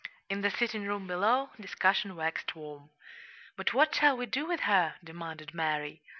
In the sitting room below, discussion waxed warm. "But what shall we do with her?" demanded Mary.